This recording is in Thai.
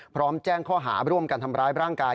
พร้อมแจ้งข้อหาร่วมกันทำร้ายร่างกาย